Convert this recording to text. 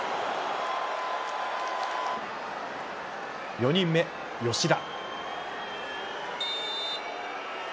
４人目、吉田。